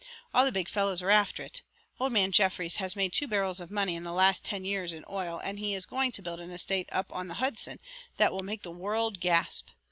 All the big fellows are after it. Old man Jeffries has made two barrels of money in the last ten years in oil and he is going to build an estate up on the Hudson that will make the world gasp.